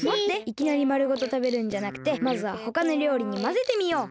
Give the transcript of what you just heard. いきなりまるごとたべるんじゃなくてまずはほかのりょうりにまぜてみよう。